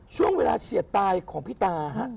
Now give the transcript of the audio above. ช่วงเวลาเฉียดตายของพี่ตาฮะ